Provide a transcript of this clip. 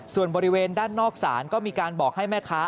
ส่วนบริเวณด้านนอกศาลก็มีการบอกให้แม่ค้า